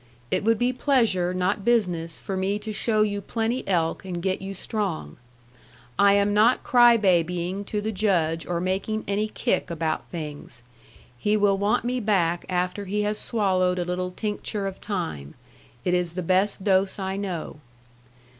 It would be pleasure not business for me to show you plenty elk and get you strong. I am not crybabying to the Judge or making any kick about things. He will want me back after he has swallowed a litter tincture of time. It is the best dose I know.